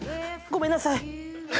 ごめんなさい。